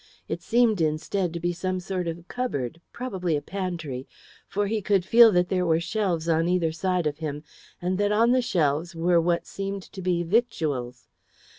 It seemed, instead, to be some sort of cupboard probably a pantry for he could feel that there were shelves on either side of him, and that on the shelves were what seemed to be victuals.